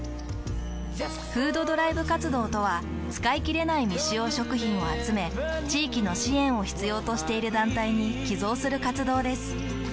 「フードドライブ活動」とは使いきれない未使用食品を集め地域の支援を必要としている団体に寄贈する活動です。